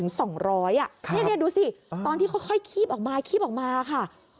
นี่ดูสิตอนที่ค่อยคีบออกมาค่ะ